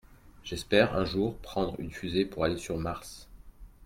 J’espère un jour prendre une fusée pour aller sur Mars.